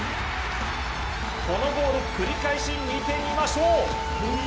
このゴール、繰り返し見てみましょう。